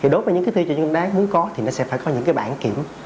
đối với những thi cho nhân đáng muốn có thì nó sẽ phải có những bảng kiểm